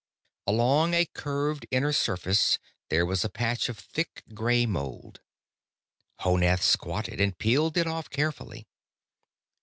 Along a curved inner surface there was a patch of thick grey mold. Honath squatted and peeled it off carefully.